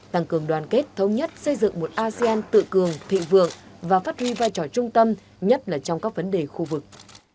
tăng cường đoàn kết thống nhất xây dựng một asean tự cường thịnh vượng và phát huy vai trò trung tâm nhất là trong các vấn đề khu vực